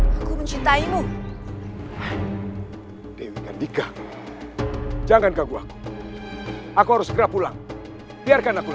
aku mencintaimu dewi kandika jangan kagum aku aku harus pulang biarkan aku